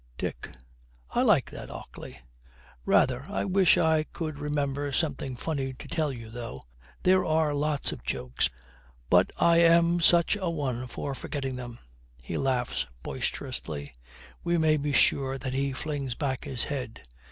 'Dick, I like that Ockley.' 'Rather. I wish I could remember something funny to tell you though. There are lots of jokes, but I am such a one for forgetting them.' He laughs boisterously. We may be sure that he flings back his head.